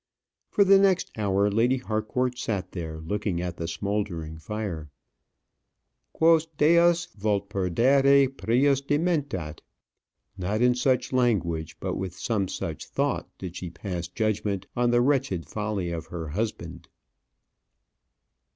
For the next hour, Lady Harcourt sat there looking at the smouldering fire. "Quos Deus vult perdere, prius dementat." Not in such language, but with some such thought, did she pass judgment on the wretched folly of her husband.